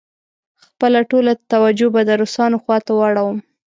خپله ټوله توجه به د روسانو خواته واړوم.